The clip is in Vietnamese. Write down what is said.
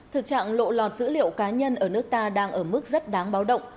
thực trạng lộ lọt dữ liệu cá nhân ở nước ta đang ở mức rất đáng báo động